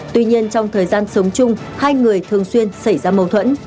tuy nhiên trong thời gian sống chung hai người thường xuyên xảy ra mâu thuẫn